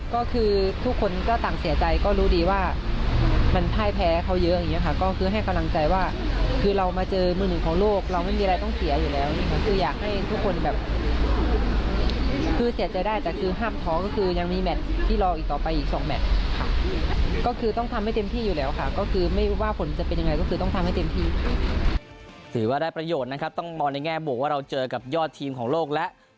ก็คือทุกคนก็ต่างเสียใจก็รู้ดีว่ามันไพ้แพ้เขาเยอะอย่างนี้ค่ะก็คือให้กำลังใจว่าคือเรามาเจอมือหนึ่งของโลกเราไม่มีอะไรต้องเสียอยู่แล้วคืออยากให้ทุกคนแบบคือเสียใจได้แต่คือห้ามท้องก็คือยังมีแมทที่รออีกต่อไปอีกสองแมทค่ะก็คือต้องทำให้เต็มที่อยู่แล้วค่ะก็คือไม่ว่าผลจะเป็นยังไงก็ค